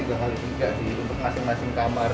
untuk masing masing kamar